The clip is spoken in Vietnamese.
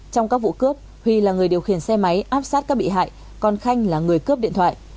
trong các vụ cướp huy là người điều khiển xe máy áp sát các bị hại còn khanh là người cướp điện thoại